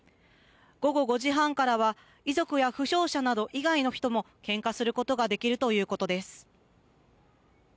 午後５時半からは遺族や負傷者など以外の人も献花することができるということです。